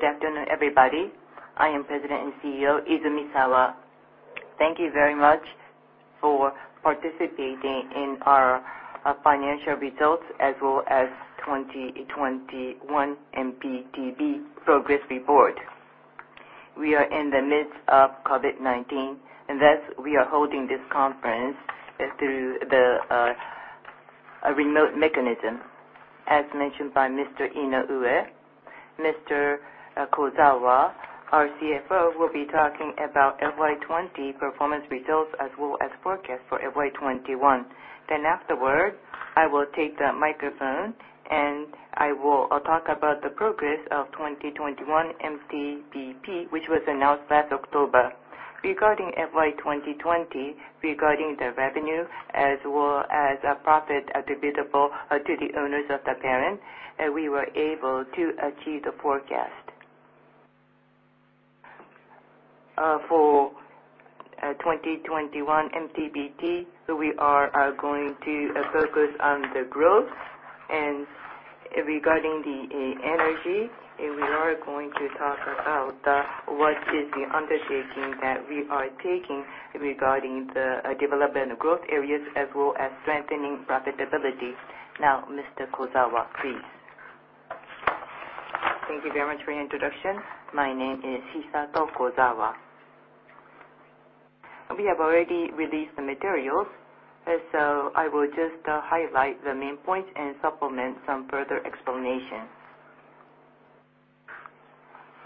Good afternoon, everybody. I am President and CEO Izumisawa. Thank you very much for participating in our financial results as well as 2021 MTBP progress report. We are in the midst of COVID-19, thus, we are holding this conference through a remote mechanism. As mentioned by Mr. Inoue, Mr. Kozawa, our CFO, will be talking about FY2020 performance results as well as forecasts for FY2021. Afterward, I will take the microphone and I will talk about the progress of 2021 MTBP, which was announced last October. Regarding FY2020, regarding the revenue as well as profit attributable to the owners of the parent, we were able to achieve the forecast. For FY2021 MTBP, we are going to focus on the growth, and regarding the energy, we are going to talk about what is the undertaking that we are taking regarding the development of growth areas as well as strengthening profitability. Now, Mr. Kozawa, please. Thank you very much for the introduction. My name is Hisato Kozawa. We have already released the materials, and so I will just highlight the main points and supplement some further explanations.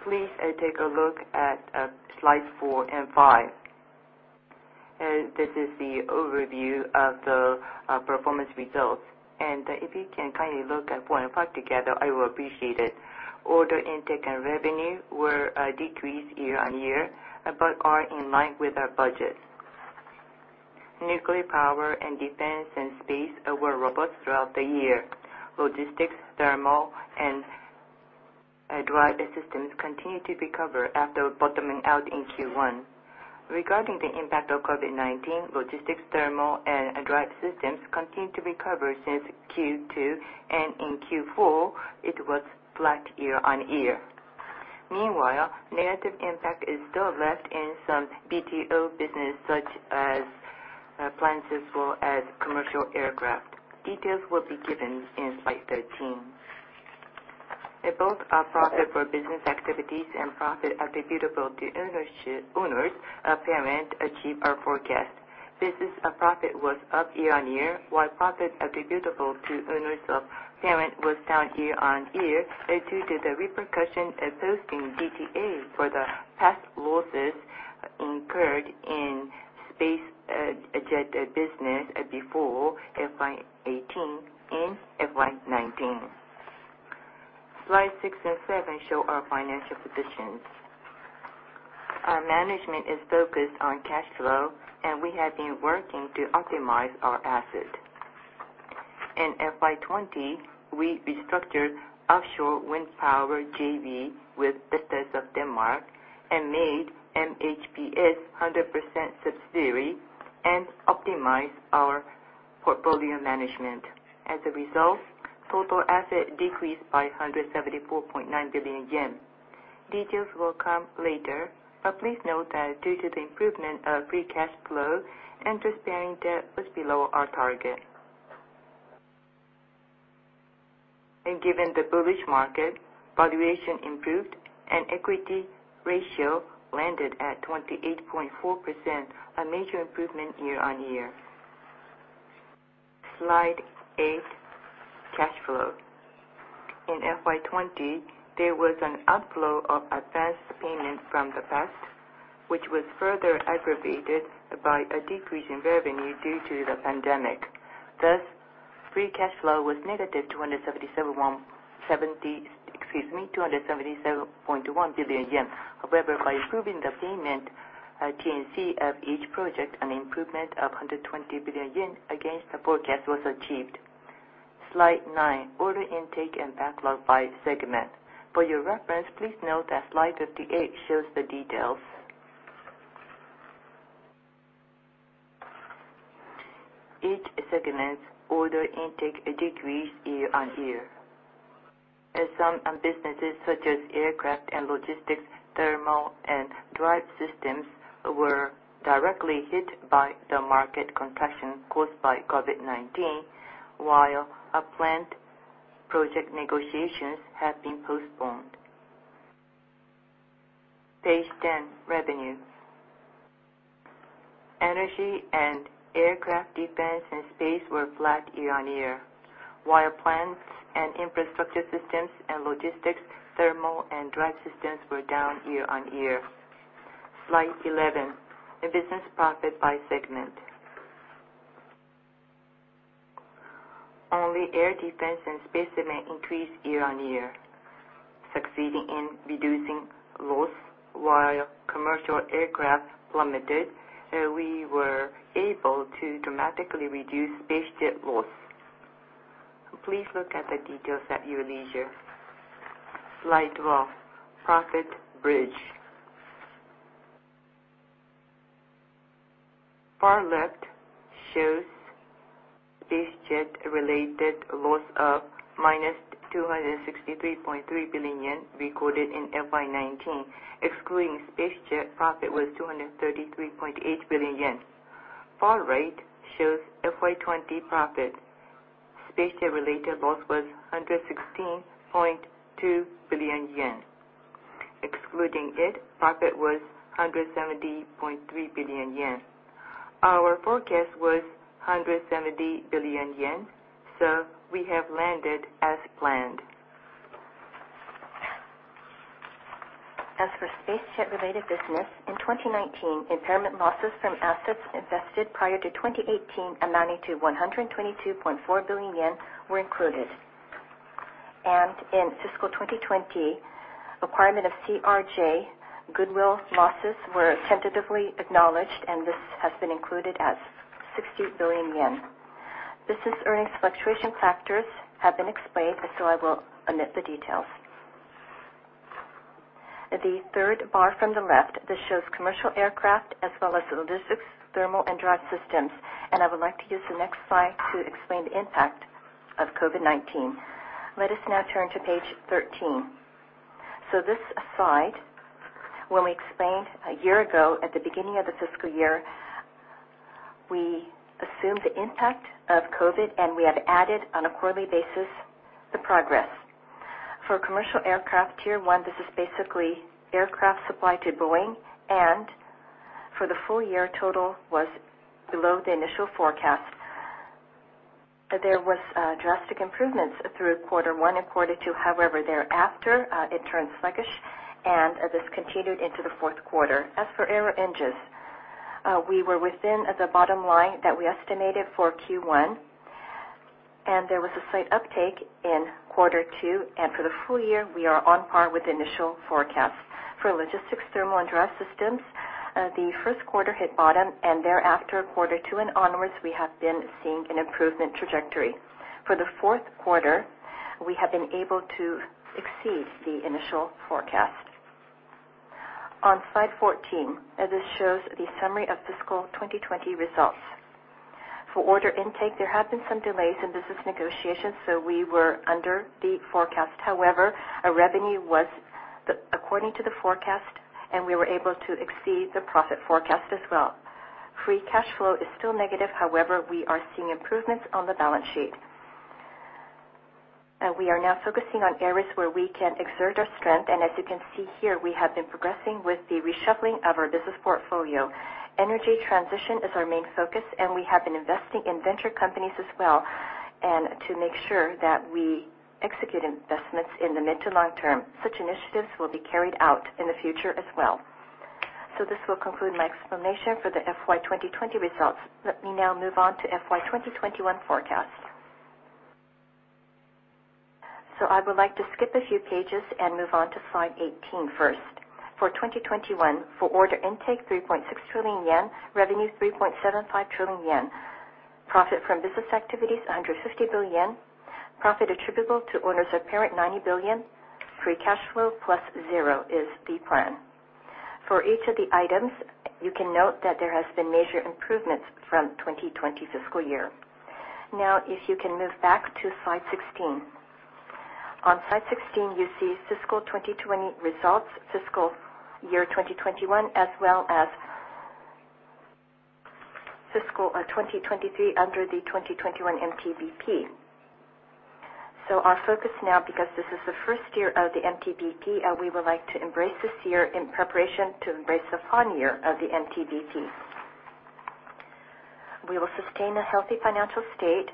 Please take a look at slides 4 and 5. This is the overview of the performance results. If you can kindly look at four and five together, I will appreciate it. Order intake and revenue were decreased year-on-year but are in line with our budget. Nuclear power and defense and space were robust throughout the year. Logistics, Thermal, and Drive Systems continue to recover after bottoming out in Q1. Regarding the impact of COVID-19, Logistics, Thermal, and Drive Systems continue to recover since Q2, and in Q4, it was flat year-on-year. Negative impact is still left in some B2B business such as plants as well as commercial aircraft. Details will be given in slide 13. Both our profit for business activities and profit attributable to owners of parent achieve our forecast. Business profit was up year-on-year, while profit attributable to owners of parent was down year-on-year due to the repercussions of posting a DTA for the past losses incurred in SpaceJet business before FY2018 and FY2019. Slides 6 and 7 show our financial positions. Our management is focused on cash flow, and we have been working to optimize our assets. In FY2020, we restructured offshore wind power JV with Vestas of Denmark and made MHPS 100% subsidiary and optimize our portfolio management. As a result, total asset decreased by 174.9 billion yen. Details will come later. Please note that due to the improvement of free cash flow, interest-bearing debt was below our target. Given the bullish market, valuation improved, and equity ratio landed at 28.4%, a major improvement year-on-year. Slide 8, cash flow. In FY2020, there was an outflow of advanced payment from the past, which was further aggravated by a decrease in revenue due to the pandemic. Thus, free cash flow was negative 277.1 billion yen. However, by improving the payment T&C of each project, an improvement of 120 billion yen against the forecast was achieved. Slide 9, order intake and backlog by segment. For your reference, please note that slide 58 shows the details. Each segment's order intake decreased year-on-year. As some businesses such as Aircraft and Logistics, Thermal and Drive Systems were directly hit by the market contraction caused by COVID-19, while our plant project negotiations have been postponed. Page 10, revenue. Energy and Aircraft, Defense and Space were flat year-on-year, while Plants and Infrastructure Systems and Logistics, Thermal and Drive Systems were down year-on-year. Slide 11, business profit by segment. Only Aircraft, Defense and Space segment increased year-on-year, succeeding in reducing loss while commercial aircraft plummeted, we were able to dramatically reduce SpaceJet loss. Please look at the details at your leisure. Slide 12, profit bridge. Far left shows SpaceJet-related loss of -263.3 billion yen recorded in FY2019. Excluding SpaceJet, profit was 233.8 billion yen. Far right shows FY2020 profit. SpaceJet-related loss was 116.2 billion yen. Excluding it, profit was 170.3 billion yen. Our forecast was 170 billion yen, so we have landed as planned. As for SpaceJet-related business, in 2019, impairment losses from assets invested prior to 2018 amounting to 122.4 billion yen were included. In FY2020, impairment of CRJ goodwill losses were tentatively acknowledged, and this has been included as 60 billion yen. Business earnings fluctuation factors have been explained, so I will omit the details. The third bar from the left, this shows commercial aircraft as well as Logistics, Thermal, and Drive Systems. I would like to use the next slide to explain the impact of COVID-19. Let us now turn to page 13. This slide, when we explained a year ago at the beginning of the fiscal year, we assumed the impact of COVID-19, and we have added on a quarterly basis the progress. For Commercial Aircraft, Tier 1, this is basically aircraft supply to Boeing, and for the full year total was below the initial forecast. There was drastic improvements through quarter one and quarter two. Thereafter, it turned sluggish, and this continued into the fourth quarter. As for Aero Engines, we were within the bottom line that we estimated for Q1, and there was a slight uptake in quarter two. For the full year, we are on par with initial forecast. For Logistics, Thermal, and Drive Systems, the first quarter hit bottom, and thereafter, quarter two and onwards, we have been seeing an improvement trajectory. For the fourth quarter, we have been able to exceed the initial forecast. On slide 14, this shows the summary of fiscal 2020 results. For order intake, there have been some delays in business negotiations, so we were under the forecast. Our revenue was according to the forecast, and we were able to exceed the profit forecast as well. Free cash flow is still negative. However, we are seeing improvements on the balance sheet. We are now focusing on areas where we can exert our strength. As you can see here, we have been progressing with the reshuffling of our business portfolio. Energy transition is our main focus. We have been investing in venture companies as well, and to make sure that we execute investments in the mid to long term. Such initiatives will be carried out in the future as well. This will conclude my explanation for the FY2020 results. Let me now move on to FY2021 forecast. I would like to skip a few pages and move on to slide 18 first. For 2021, for order intake, 3.6 trillion yen. Revenue, 3.75 trillion yen. Profit from business activities, 150 billion yen. Profit attributable to owners of parent, 90 billion. Free cash flow, plus zero is the plan. For each of the items, you can note that there has been major improvements from 2020 fiscal year. If you can move back to slide 16. On slide 16, you see fiscal 2020 results, fiscal year 2021, as well as fiscal 2023 under the 2021 MTBP. Our focus now, because this is the first year of the MTBP, we would like to embrace this year in preparation to embrace the final year of the MTBP. We will sustain a healthy financial state,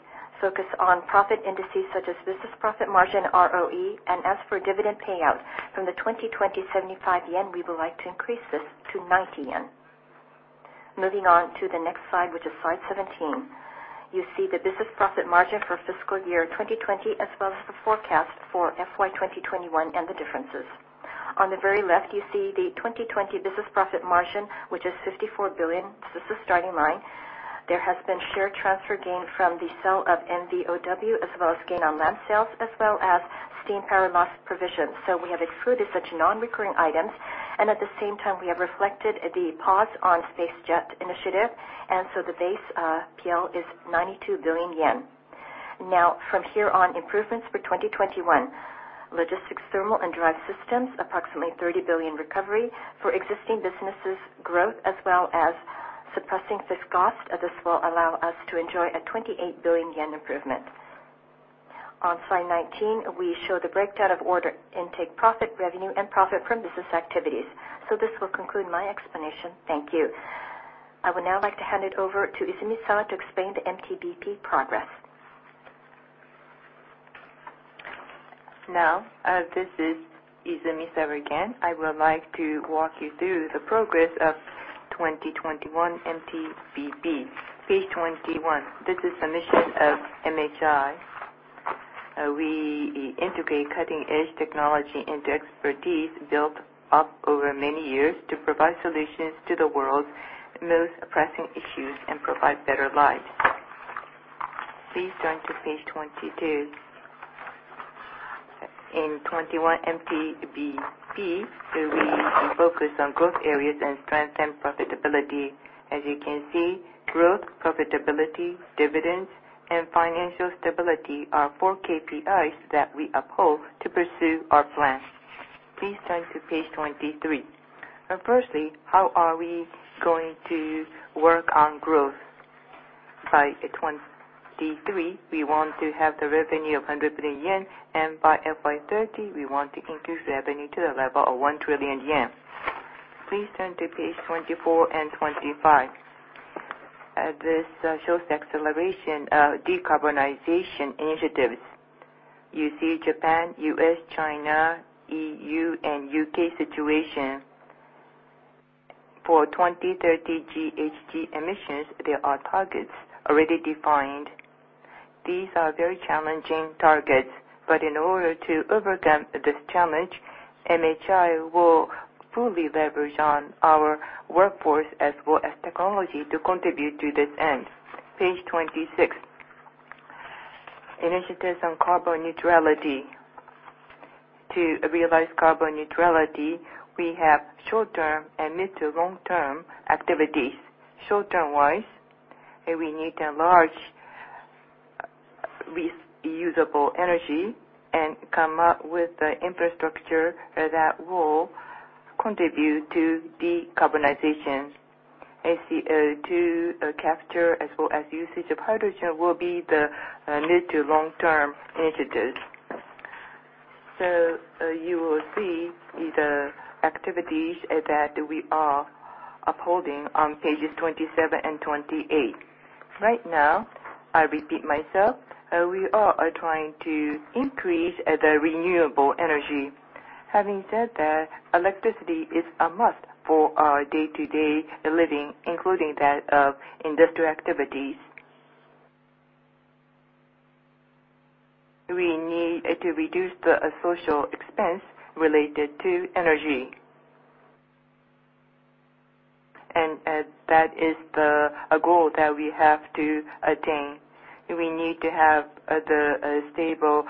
focus on profit indices such as business profit margin ROE, and as for dividend payout from the 2020 75 yen, we would like to increase this to 90 yen. Moving on to the next slide, which is slide 17. You see the business profit margin for fiscal year 2020, as well as the forecast for FY2021 and the differences. On the very left, you see the 2020 business profit margin, which is 54 billion. This is starting line. There has been share transfer gain from the sale of MVOW, as well as gain on land sales, as well as steam power loss provisions. We have excluded such non-recurring items, and at the same time, we have reflected the pause on SpaceJet initiative. The base PL is 92 billion yen. From here on, improvements for 2021. Logistics, Thermal, and Drive Systems, approximately 30 billion recovery for existing businesses growth, as well as suppressing fixed cost. This will allow us to enjoy a 28 billion yen improvement. On slide 19, we show the breakdown of order intake profit, revenue, and profit from business activities. This will conclude my explanation. Thank you. I would now like to hand it over to Izumisawa to explain the MTBP progress. This is Izumisawa again. I would like to walk you through the progress of 2021 MTBP. Page 21. This is the mission of MHI. We integrate cutting-edge technology into expertise built up over many years to provide solutions to the world's most pressing issues and provide better lives. Please turn to page 22. In 2021 MTBP, we focus on growth areas and strengthen profitability. As you can see, growth, profitability, dividends, and financial stability are four KPIs that we uphold to pursue our plan. Please turn to page 23. Firstly, how are we going to work on growth? By 2023, we want to have the revenue of 100 billion yen, and by FY2030, we want to increase revenue to the level of 1 trillion yen. Please turn to page 24 and 25. This shows acceleration of decarbonization initiatives. You see Japan, U.S., China, E.U., and U.K. situation. For 2030 GHG emissions, there are targets already defined. These are very challenging targets. In order to overcome this challenge, MHI will fully leverage on our workforce as well as technology to contribute to this end. Page 26. Initiatives on carbon neutrality. To realize carbon neutrality, we have short-term and mid to long-term activities. Short-term-wise, we need to enlarge renewable energy and come up with the infrastructure that will contribute to decarbonization. CO2 capture as well as usage of hydrogen will be the mid to long-term initiatives. You will see the activities that we are upholding on pages 27 and 28. Right now, I repeat myself, we are trying to increase the renewable energy. Having said that, electricity is a must for our day-to-day living, including that of industrial activities. We need to reduce the social expense related to energy. That is the goal that we have to attain. We need to have a stable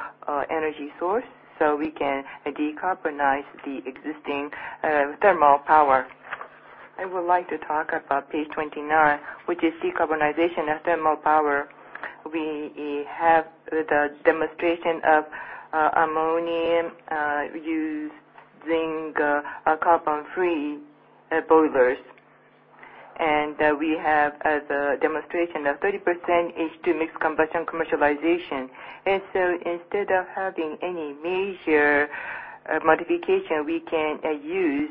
energy source so we can decarbonize the existing thermal power. I would like to talk about page 29, which is decarbonization of thermal power. We have the demonstration of ammonia using carbon-free boilers. We have the demonstration of 30% H2 mixed combustion commercialization. Instead of having any major modification, we can use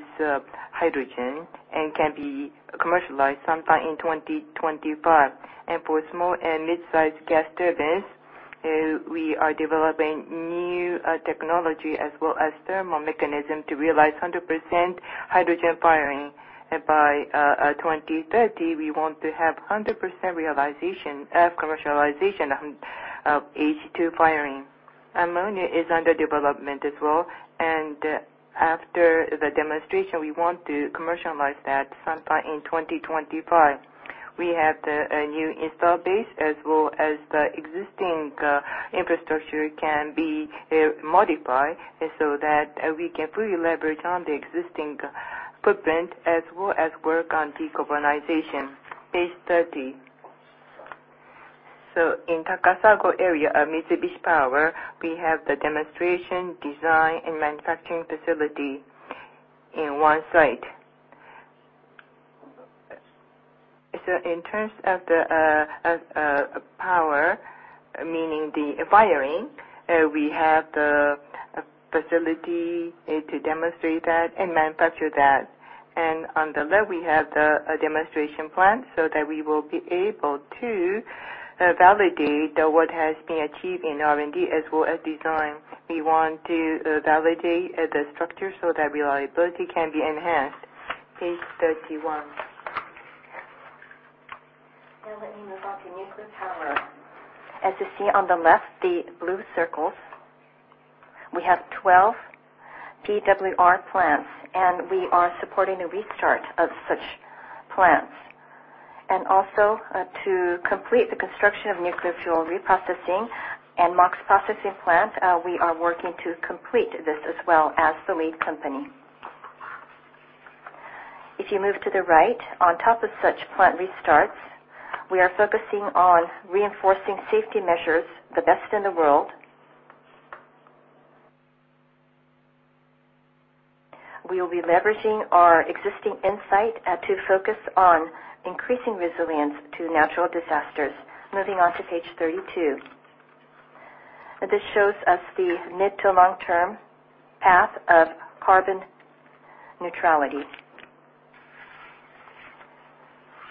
hydrogen and can be commercialized sometime in 2025. For small and mid-sized gas turbines, we are developing new technology as well as thermal mechanism to realize 100% hydrogen firing. By 2030, we want to have 100% realization of commercialization of H2 firing. Ammonia is under development as well, and after the demonstration, we want to commercialize that sometime in 2025. We have the new install base as well as the existing infrastructure can be modified so that we can fully leverage on the existing footprint as well as work on decarbonization. Page 30. In Takasago area of Mitsubishi Power, we have the demonstration, design, and manufacturing facility in one site. In terms of the power, meaning the firing, we have the facility to demonstrate that and manufacture that. On the left, we have the demonstration plan so that we will be able to validate what has been achieved in R&D as well as design. We want to validate the structure so that reliability can be enhanced. Page 31. Now let me move on to nuclear power. As you see on the left, the blue circles, we have 12 PWR plants, and we are supporting a restart of such plants. Also to complete the construction of nuclear fuel reprocessing and MOX processing plant, we are working to complete this as well as the lead company. If you move to the right, on top of such plant restarts, we are focusing on reinforcing safety measures, the best in the world. We will be leveraging our existing insight to focus on increasing resilience to natural disasters. Moving on to page 32. This shows us the mid to long-term path of carbon neutrality.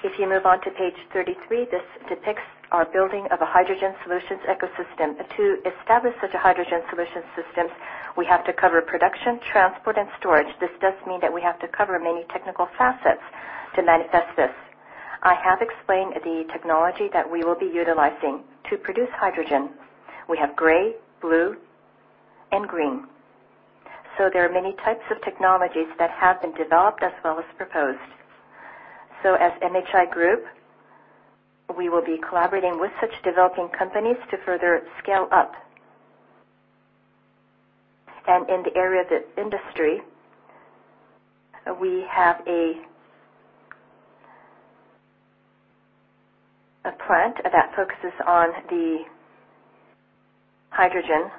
If you move on to page 33, this depicts our building of a hydrogen solutions ecosystem. To establish such a hydrogen solutions ecosystem, we have to cover production, transport, and storage. This does mean that we have to cover many technical facets to manifest this. I have explained the technology that we will be utilizing. To produce hydrogen, we have gray, blue, and green. There are many types of technologies that have been developed as well as proposed. As MHI Group, we will be collaborating with such developing companies to further scale up. In the area of the industry, we have a plant that focuses on the hydrogen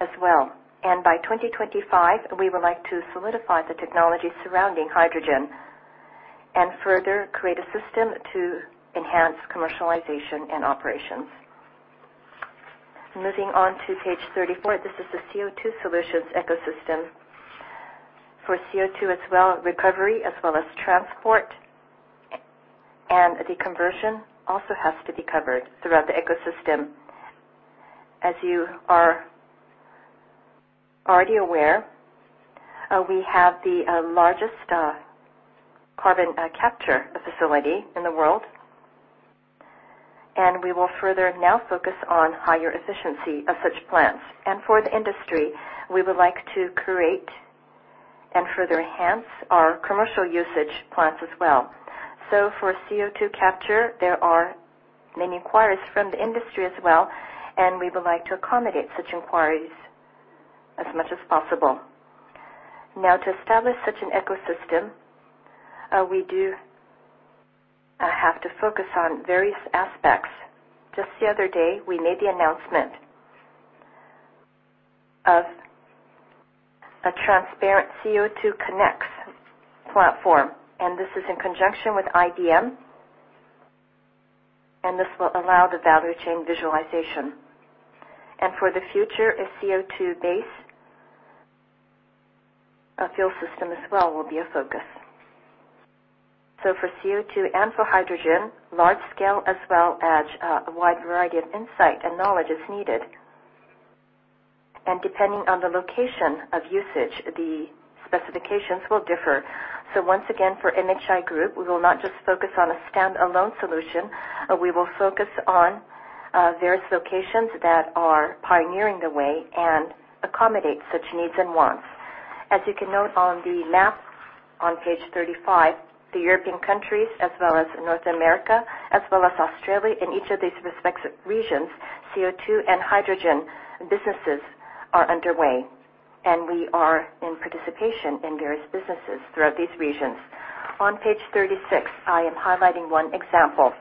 as well. By 2025, we would like to solidify the technology surrounding hydrogen and further create a system to enhance commercialization and operations. Moving on to page 34, this is the CO2 solutions ecosystem for CO2 as well, recovery as well as transport, and the conversion also has to be covered throughout the ecosystem. As you are already aware, we have the largest carbon capture facility in the world, we will further now focus on higher efficiency of such plants. For the industry, we would like to create and further enhance our commercial usage plants as well. For CO2 capture, there are many inquiries from the industry as well, and we would like to accommodate such inquiries as much as possible. Now, to establish such an ecosystem, we do have to focus on various aspects. Just the other day, we made the announcement of a transparent CO2NNEX platform, and this is in conjunction with IBM, and this will allow the value chain visualization. For the future, a CO2-based fuel system as well will be a focus. For CO2 and for hydrogen, large scale as well as a wide variety of insight and knowledge is needed. Depending on the location of usage, the specifications will differ. Once again, for MHI Group, we will not just focus on a standalone solution. We will focus on various locations that are pioneering the way and accommodate such needs and wants. As you can note on the map on page 35, the European countries as well as North America, as well as Australia, in each of these respective regions, CO2 and hydrogen businesses are underway. We are in participation in various businesses throughout these regions. On page 36, I am highlighting one example.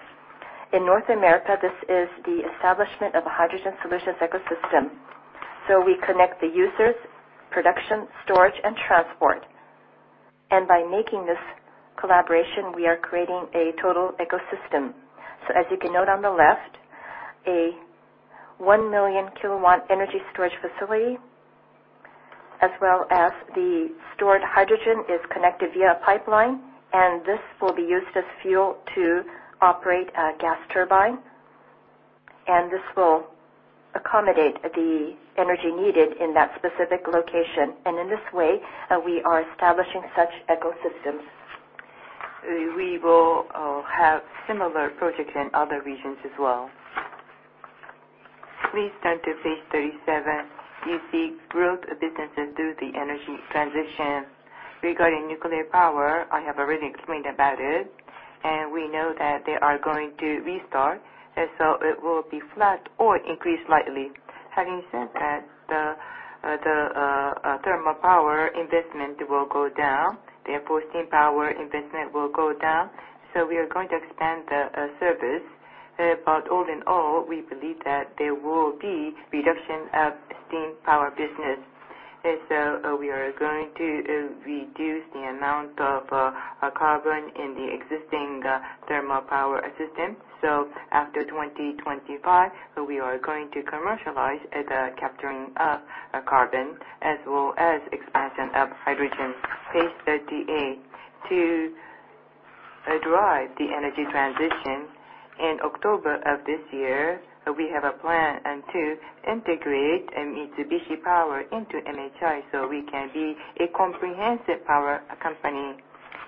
In North America, this is the establishment of a hydrogen solutions ecosystem. We connect the users, production, storage, and transport. By making this collaboration, we are creating a total ecosystem. As you can note on the left, a 1 million kW energy storage facility, as well as the stored hydrogen, is connected via a pipeline, and this will be used as fuel to operate a gas turbine. This will accommodate the energy needed in that specific location. In this way, we are establishing such ecosystems. We will have similar projects in other regions as well. Please turn to page 37. You see growth of business through the energy transition. Regarding nuclear power, I have already explained about it, and we know that they are going to restart, and so it will be flat or increase slightly. Having said that, the thermal power investment will go down, therefore, steam power investment will go down. We are going to expand the service. All in all, we believe that there will be reduction of steam power business. We are going to reduce the amount of carbon in the existing thermal power system. After 2025, we are going to commercialize the capturing of carbon as well as expansion of hydrogen. Page 38. To drive the energy transition, in October of this year, we have a plan to integrate Mitsubishi Power into MHI so we can be a comprehensive power company.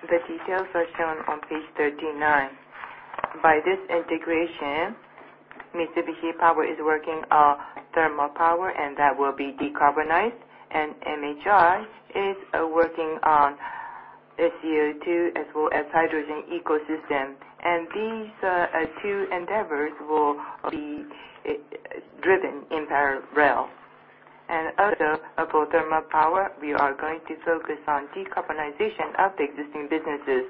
The details are shown on page 39. By this integration, Mitsubishi Power is working on thermal power, and that will be decarbonized. MHI is working on CO2 as well as hydrogen ecosystem. These two endeavors will be driven in parallel. Also, for thermal power, we are going to focus on decarbonization of the existing businesses.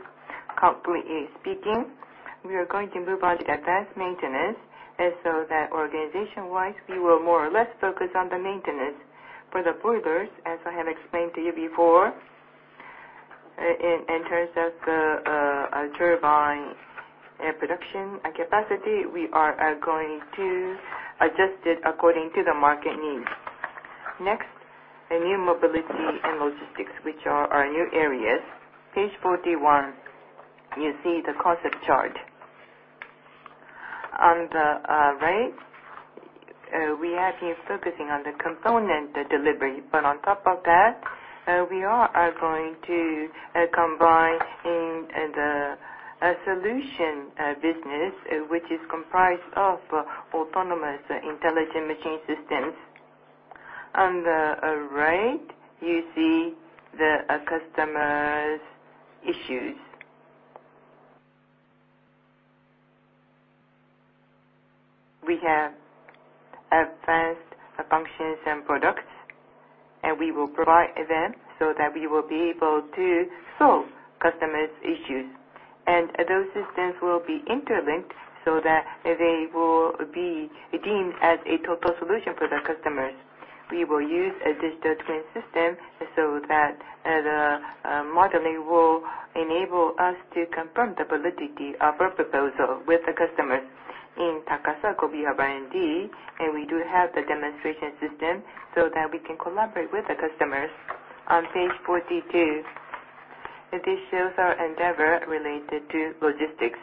Broadly speaking, we are going to move on to advanced maintenance, and so that organization-wise, we will more or less focus on the maintenance. For the boilers, as I have explained to you before, in terms of the turbine production capacity, we are going to adjust it according to the market needs. The new mobility and logistics, which are our new areas. Page 41. You see the concept chart. On the right, we have been focusing on the component delivery. On top of that, we are going to combine in a solution business, which is comprised of autonomous intelligent machine systems. On the right, you see the customer's issues. We have advanced functions and products, we will provide them so that we will be able to solve customers' issues. Those systems will be interlinked so that they will be deemed as a total solution for the customers. We will use a digital twin system so that the modeling will enable us to confirm the validity of our proposal with the customer. In Takasago, we have R&D, and we do have the demonstration system so that we can collaborate with the customers. On page 42, this shows our endeavor related to logistics.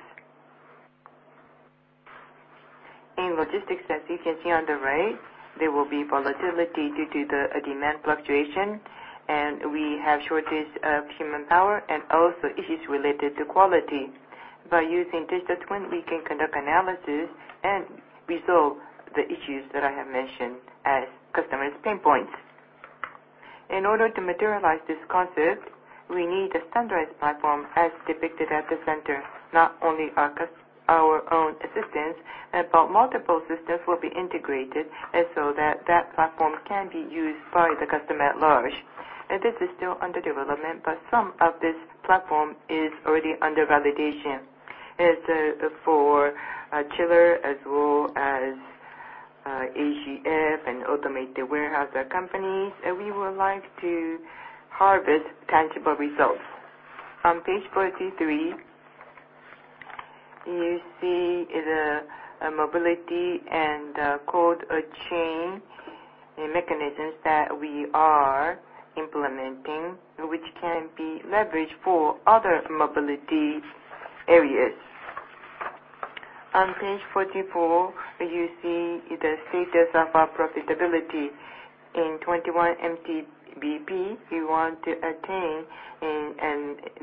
In logistics, as you can see on the right, there will be volatility due to the demand fluctuation, and we have shortage of manpower, and also issues related to quality. By using digital twin, we can conduct analysis and resolve the issues that I have mentioned as customers' pain points. In order to materialize this concept, we need a standardized platform as depicted at the center. Not only our own systems, but multiple systems will be integrated so that platform can be used by the customer at large. This is still under development, but some of this platform is already under validation. As for chiller, as well as AGF and automated warehouse components, we would like to harvest tangible results. On page 43, you see the mobility and cold chain mechanisms that we are implementing, which can be leveraged for other mobility areas. On page 44, you see the status of our profitability. In FY2021 MTBP, we want to attain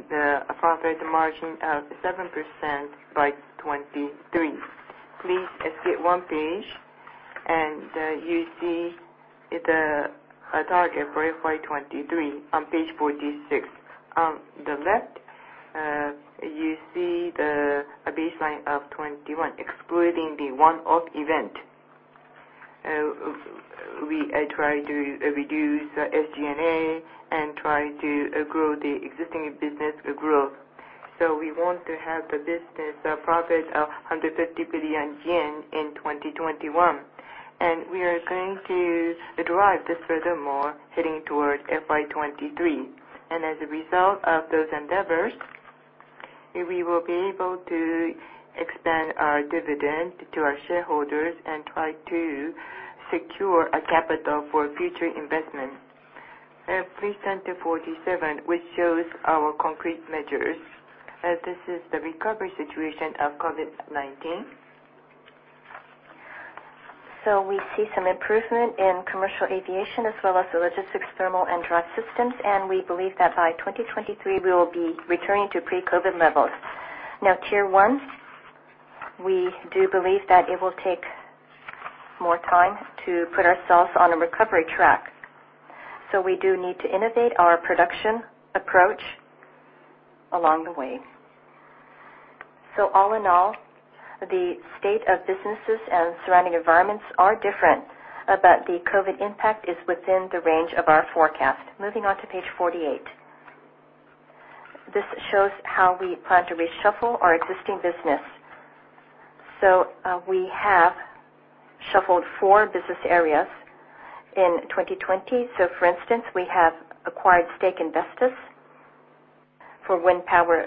the profit margin of 7% by FY2023. Please skip one page. You see the target for FY2023 on page 46. On the left, you see the baseline of FY2021, excluding the one-off event. I try to reduce SG&A and try to grow the existing business growth. We want to have the business profit of 150 billion yen in 2021. We are going to drive this furthermore heading toward FY2023. As a result of those endeavors, we will be able to expand our dividend to our shareholders and try to secure a capital for future investment. Please turn to 47, which shows our concrete measures, as this is the recovery situation of COVID-19. We see some improvement in commercial aviation as well as the Logistics, Thermal, and Drive Systems, and we believe that by 2023, we will be returning to pre-COVID levels. Now, Tier 1, we do believe that it will take more time to put ourselves on a recovery track. We do need to innovate our production approach along the way. All in all, the state of businesses and surrounding environments are different, but the COVID impact is within the range of our forecast. Moving on to page 48. This shows how we plan to reshuffle our existing business. We have shuffled four business areas in 2020. For instance, we have acquired stake in Vestas for wind power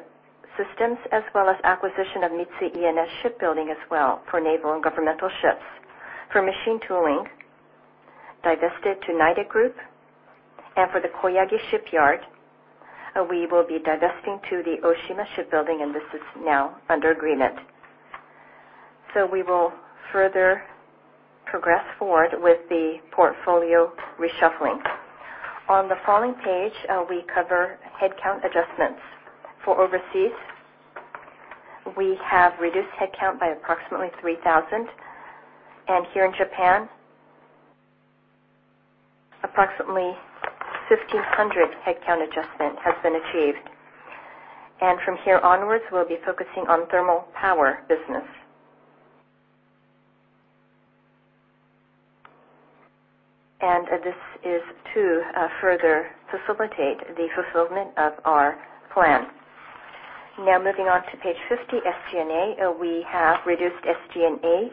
systems, as well as acquisition of Mitsui E&S Shipbuilding as well for naval and governmental ships. For machine tooling, divested to Nidec Group. For the Koyagi Shipyard, we will be divesting to Oshima Shipbuilding, and this is now under agreement. We will further progress forward with the portfolio reshuffling. On the following page, we cover headcount adjustments. For overseas, we have reduced headcount by approximately 3,000, and here in Japan, approximately 1,500 headcount adjustment has been achieved. From here onwards, we'll be focusing on thermal power business. This is to further facilitate the fulfillment of our plan. Moving on to page 50, SG&A. We have reduced SG&A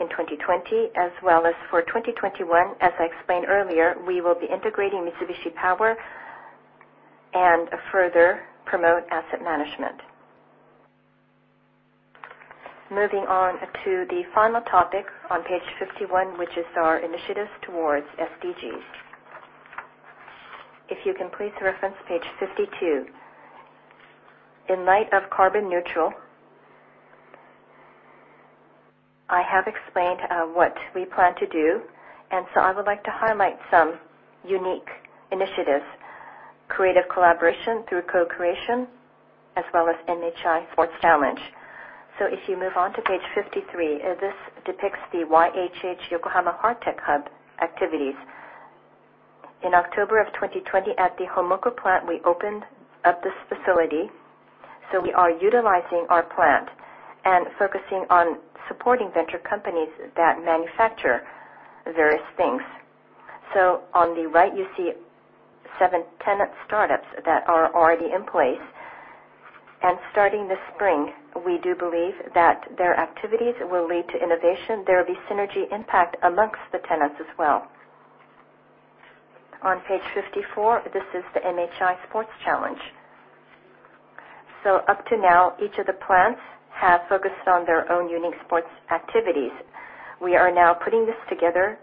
in 2020 as well as for 2021. As I explained earlier, we will be integrating Mitsubishi Power and further promote asset management. Moving on to the final topic on page 51, which is our initiatives towards SDGs. If you can please reference page 52. In light of carbon neutral, I have explained what we plan to do. I would like to highlight some unique initiatives, creative collaboration through co-creation, as well as MHI Sports Challenge. If you move on to page 53, this depicts the YHH (Yokohama Hardtech Hub) activities. In October, 2020 at the Hommoku plant, we opened up this facility. We are utilizing our plant and focusing on supporting venture companies that manufacture various things. On the right, you see seven tenant startups that are already in place. Starting this spring, we do believe that their activities will lead to innovation. There will be synergy impact amongst the tenants as well. On page 54, this is the MHI Sports Challenge. Up to now, each of the plants have focused on their own unique sports activities. We are now putting this together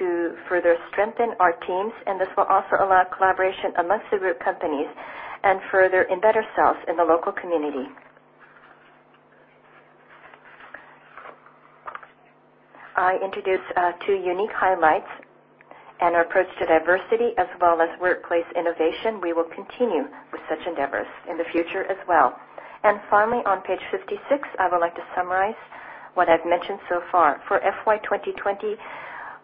to further strengthen our teams, and this will also allow collaboration amongst the group companies and further embed ourselves in the local community. I introduced two unique highlights and our approach to diversity as well as workplace innovation. We will continue with such endeavors in the future as well. Finally, on page 56, I would like to summarize what I've mentioned so far. For FY2020,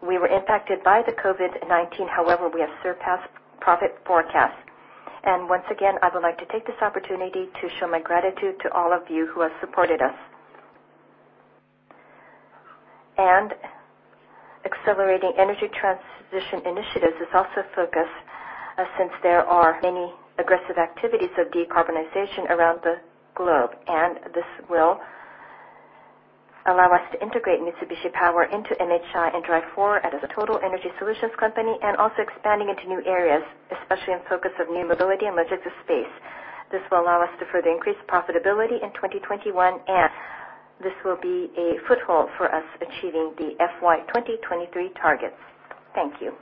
we were impacted by the COVID-19, however, we have surpassed profit forecast. Once again, I would like to take this opportunity to show my gratitude to all of you who have supported us. Accelerating energy transition initiatives is also a focus since there are many aggressive activities of decarbonization around the globe. This will allow us to integrate Mitsubishi Power into MHI and drive forward as a total energy solutions company and also expanding into new areas, especially in focus of new mobility and logistics space. This will allow us to further increase profitability in 2021, and this will be a foothold for us achieving the FY2023 targets. Thank you.